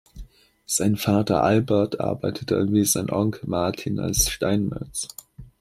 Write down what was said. Sein Vater Albert arbeitete wie sein Onkel Martin als Steinmetz.